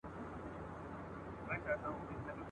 چا په ښار کي یو طبیب وو ورښودلی !.